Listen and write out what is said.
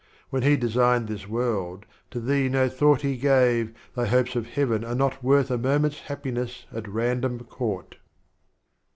When He designed this World, to Thee no Thought He gave, Thy hopes of Heaven are not worth A Moment's Happiness at random Caught.